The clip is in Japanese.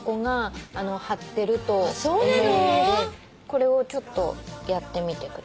これをちょっとやってみてください。